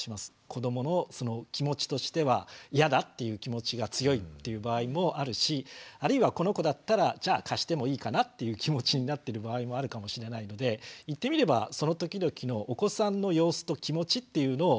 子どもの気持ちとしてはイヤだっていう気持ちが強いっていう場合もあるしあるいはこの子だったらじゃあ貸してもいいかなっていう気持ちになってる場合もあるかもしれないので言ってみればその時々のお子さんの様子と気持ちっていうのを少し見てあげるっていうのを